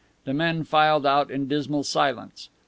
The men filed out in dismal silence.